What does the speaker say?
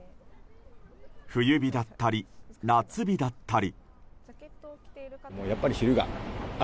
冬日だったり、夏日だったり。